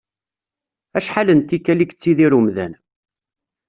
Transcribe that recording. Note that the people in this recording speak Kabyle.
Acḥal n tikwal i yettidir umdan.